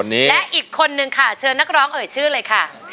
และอีกคนนึงค่ะเชิญนักร้องเอ่ยชื่อเลยค่ะ